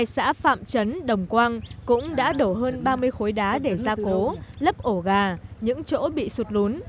gắn đồng quang cũng đã đổ hơn ba mươi khối đá để gia cố lấp ổ gà những chỗ bị sụt lún